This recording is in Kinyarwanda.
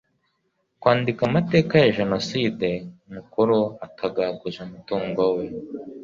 Kwandika amateka ya Jenoside mukuru utagaguza umutungo we